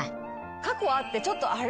過去あってちょっとあれ？